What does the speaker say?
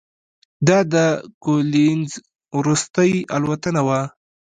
دا د کولینز وروستۍ الوتنه وه.